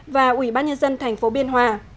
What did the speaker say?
và ubnd thành phố biên hòa